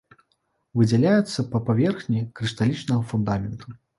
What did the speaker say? Выдзяляецца па паверхні крышталічнага фундамента.